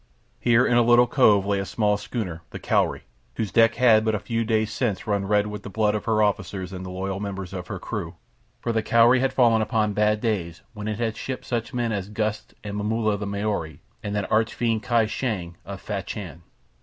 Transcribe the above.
Here, in a little cove, lay a small schooner, the Cowrie, whose decks had but a few days since run red with the blood of her officers and the loyal members of her crew, for the Cowrie had fallen upon bad days when it had shipped such men as Gust and Momulla the Maori and that arch fiend Kai Shang of Fachan.